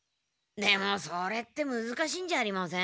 でもそれってむずかしいんじゃありません？